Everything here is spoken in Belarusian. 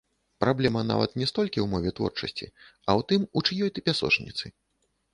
Праблема нават не столькі ў мове творчасці, а ў тым, у чыёй ты пясочніцы.